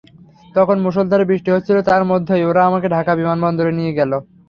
তখন মুষলধারে বৃষ্টি হচ্ছিল, তার মধ্যেই ওরা আমাকে ঢাকা বিমানবন্দরে নিয়ে গেল।